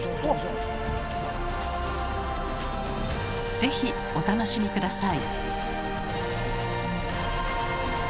是非お楽しみ下さい。